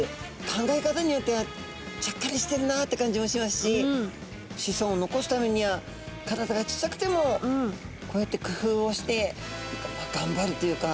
考え方によってはちゃっかりしてるなって感じもしますし子孫を残すためには体が小さくてもこうやってくふうをしてがんばるというか。